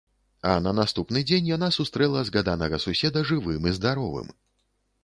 А на наступны дзень яна сустрэла згаданага суседа жывым і здаровым.